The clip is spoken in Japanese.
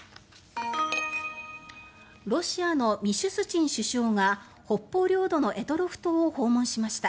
ロシアのミシュスチン首相が北方領土の択捉島を訪問しました。